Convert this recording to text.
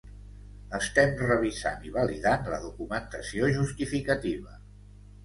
Estem revisant i validant la documentació justificativa.